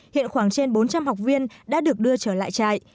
hiện khoảng trên bốn trăm linh học viên đã được đưa trở lại trại